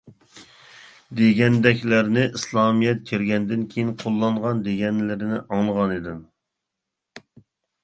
دېگەندەكلەرنى ئىسلامىيەت كىرگەندىن كېيىن قوللانغان دېگەنلىرىنى ئاڭلىغان ئىدىم.